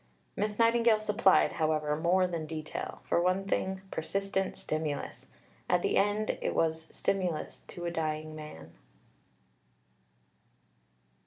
Miss Nightingale supplied, however, more than detail for one thing, persistent stimulus. At the end it was stimulus to a dying man.